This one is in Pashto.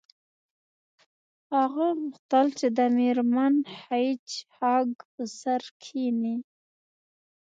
هغه غوښتل چې د میرمن هیج هاګ په سر کښینی